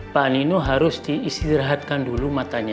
pak nino harus diistirahatkan dulu matanya